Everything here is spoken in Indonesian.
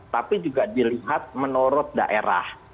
tapi juga dilihat menurut daerah